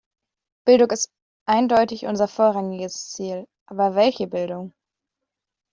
Bildung ist eindeutig unser vorrangiges Ziel, aber welche Bildung?